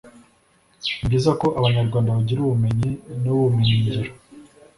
Ni byiza ko Abanyarwanda bagira ubumenyi n’ubumenyingiro